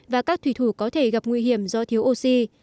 và các thủy thủ có thể gặp nguy hiểm do thiếu oxy